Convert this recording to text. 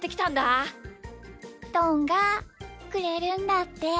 どんがくれるんだって。